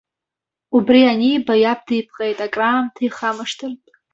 Убри аниба иаб дипҟеит акраамҭа ихамышҭыртә.